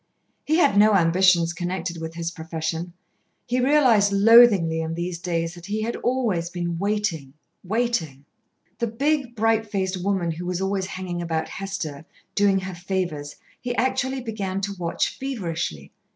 He had no ambitions connected with his profession. He realised loathingly in these days that he had always been waiting, waiting. The big, bright faced woman who was always hanging about Hester, doing her favours, he actually began to watch feverishly.